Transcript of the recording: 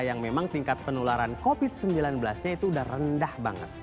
yang memang tingkat penularan covid sembilan belas nya itu udah rendah banget